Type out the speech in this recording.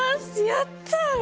やった！